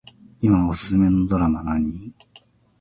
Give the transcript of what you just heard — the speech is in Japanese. いまおすすめのドラマ何